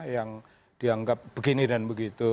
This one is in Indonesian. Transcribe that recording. yang dianggap begini dan begitu